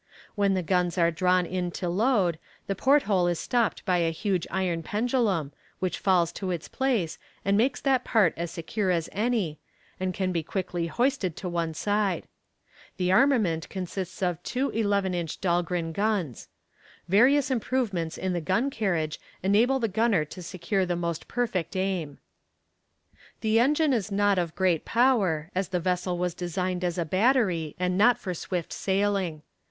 When the guns are drawn in to load, the port hole is stopped by a huge iron pendulum, which falls to its place, and makes that part as secure as any, and can be quickly hoisted to one side. The armament consists of two eleven inch Dahlgren guns. Various improvements in the gun carriage enable the gunner to secure almost perfect aim. "The engine is not of great power, as the vessel was designed as a battery, and not for swift sailing.